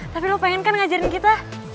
tapi lo pengen kan ngajarin kita